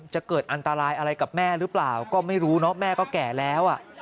จะเกิดอันตรายอะไรกับแม่หรือเปล่าก็ไม่รู้เนอะแม่ก็แก่แล้ว